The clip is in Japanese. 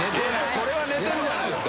これは寝てるんじゃないですか？